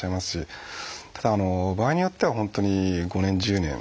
ただ場合によっては本当に５年１０年。